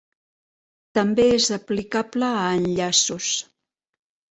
També és aplicable a enllaços.